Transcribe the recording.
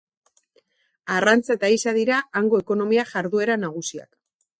Arrantza eta ehiza dira hango ekonomia jarduera nagusiak.